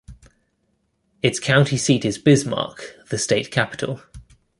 Its county seat is Bismarck, the state capital.